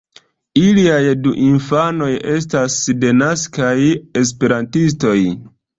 Iliaj du infanoj estas denaskaj esperantistoj.